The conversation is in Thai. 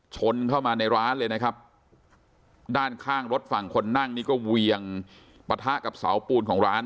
ชนเข้ามาในร้านเลยนะครับด้านข้างรถฝั่งคนนั่งนี่ก็เวียงปะทะกับเสาปูนของร้าน